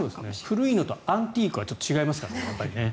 古いのとアンティークはちょっと違いますからね。